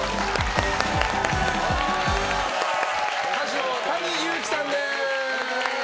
歌手のＴａｎｉＹｕｕｋｉさんです。